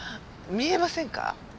見えませんか？